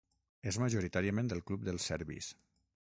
És majoritàriament el club dels serbis.